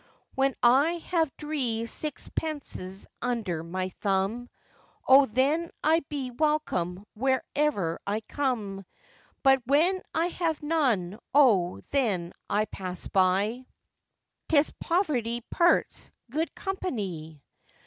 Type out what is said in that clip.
When I have dree zixpences under my thumb, O then I be welcome wherever I come; But when I have none, O, then I pass by,— 'Tis poverty pearts good companie.